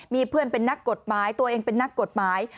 มีเพื่อนเป็นนักกฎหมายตัวเองเป็นนักกฎหมาย